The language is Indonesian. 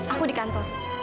aku di kantor